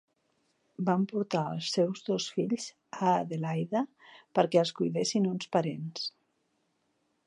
Van portar els seus dos fills a Adelaide perquè els cuidessin uns parents.